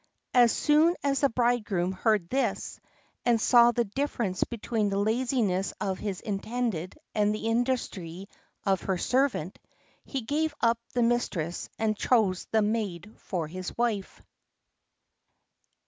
As soon as the bridegroom heard this, and saw the difference between the laziness of his intended and the industry of her servant, he gave up the mistress and chose the maid for his wife.